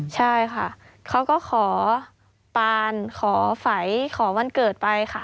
ใช่ค่ะเขาก็ขอปานขอไฝขอวันเกิดไปค่ะ